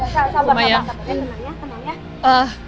sama sama tenang ya tenang ya